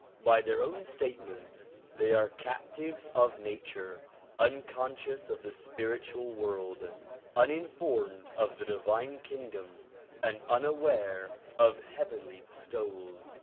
By their own statements they are captives of nature, unconscious of the spiritual world, uninformed of the divine kingdom and unaware of heavenly bestowals.